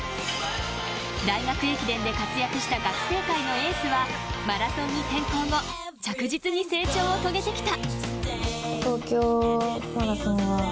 大学駅伝で活躍した学生界へのエースはマラソンに転向後着実に成長を遂げてきた。